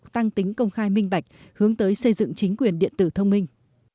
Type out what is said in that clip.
tăng tính công khai minh bạch hướng tới xây dựng chính quyền điện tử thông minh